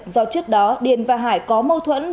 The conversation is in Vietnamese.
do trước đó điền và hải có mâu thuẫn